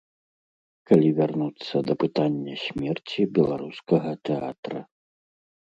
Калі вярнуцца да пытання смерці беларускага тэатра.